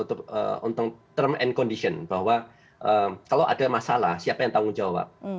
untuk term and condition bahwa kalau ada masalah siapa yang tanggung jawab